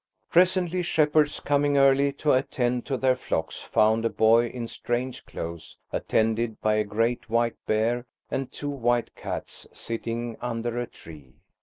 Presently shepherds coming early to attend to their flocks found a boy in strange clothes, attended by a great white bear and two white cats, sitting under a tree.